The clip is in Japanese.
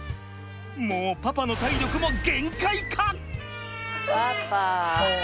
もうパパの体力も限界か！？